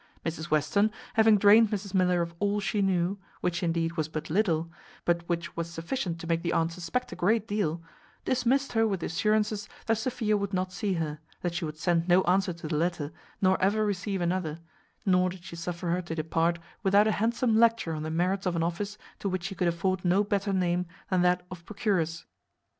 Mrs Western, having drained Mrs Miller of all she knew, which, indeed, was but little, but which was sufficient to make the aunt suspect a great deal, dismissed her with assurances that Sophia would not see her, that she would send no answer to the letter, nor ever receive another; nor did she suffer her to depart without a handsome lecture on the merits of an office to which she could afford no better name than that of procuress.